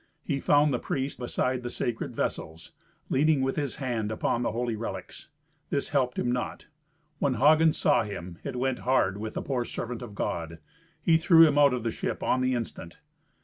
He found the priest beside the sacred vessels, leaning with his hand upon the holy relics. This helped him not. When Hagen saw him, it went hard with the poor servant of God. He threw him out of the ship on the instant.